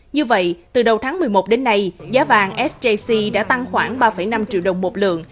như vậy từ đầu tháng một mươi một đến nay giá vàng sjc đã tăng khoảng ba năm triệu đồng một lượng